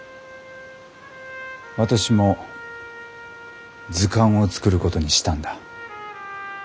私も図鑑を作ることにしたんだ。